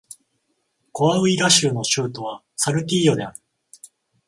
コアウイラ州の州都はサルティーヨである